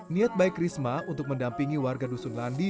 niat baik risma untuk mendampingi warga dusun landi